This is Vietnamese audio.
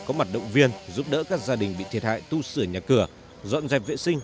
có mặt động viên giúp đỡ các gia đình bị thiệt hại tu sửa nhà cửa dọn dẹp vệ sinh